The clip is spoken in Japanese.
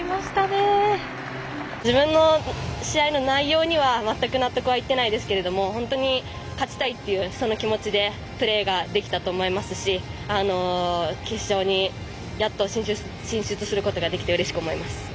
自分の試合の内容には全く納得いってないですけれど本当に勝ちたいというその気持ちでプレーができたと思いますし決勝にやっと進出することができてうれしく思います。